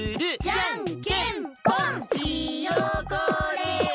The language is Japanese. じゃんけんぽん！